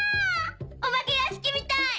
お化け屋敷みたい！